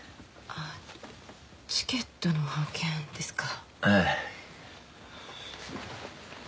あチケットの半券ですか？